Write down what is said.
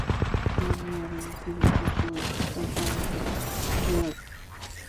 和尼奥尔德分手后据说再嫁给乌勒尔。